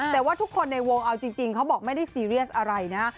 แต่ว่าทุกคนในวงเอาจริงเขาบอกไม่ได้ซีเรียสอะไรนะฮะ